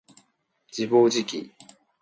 自暴自棄